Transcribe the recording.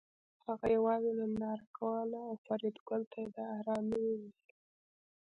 هغه یوازې ننداره کوله او فریدګل ته یې د ارامۍ وویل